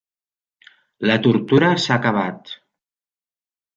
La tortura s'ha acabat.